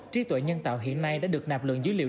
trí tuệ nhân tạo hiện nay đã được nạp lượng dữ liệu